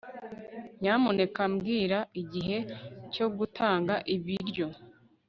Nyamuneka mbwira igihe cyo gutanga ibiryo